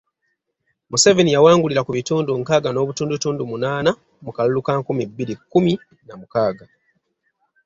Museveni yawangulira ku bitundu nkaaga n’obutundutundu munaana mu kalulu ka nkumi bbiri kkumi na mukaaga.